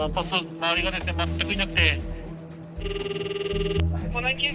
周りがですね全くいなくて。